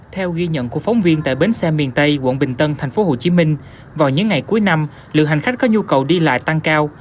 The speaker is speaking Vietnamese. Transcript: theo ghi nhận của phóng viên tại bến xe miền tây quận bình tân thành phố hồ chí minh vào những ngày cuối năm lượng hành khách có nhu cầu đi lại tăng cao